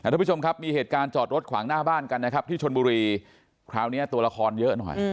ทุกผู้ชมครับมีเหตุการณ์จอดรถขวางหน้าบ้านกันนะครับที่ชนบุรีคราวนี้ตัวละครเยอะหน่อย